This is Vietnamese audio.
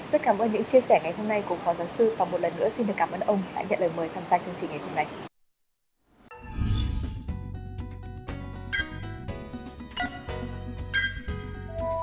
rất cảm ơn những chia sẻ ngày hôm nay của phó giáo sư và một lần nữa xin được cảm ơn ông đã nhận lời mời tham gia chương trình ngày hôm nay